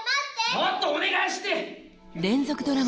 もっとお願いして！